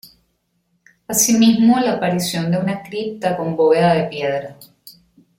Asimismo la aparición de una cripta con bóveda de piedra.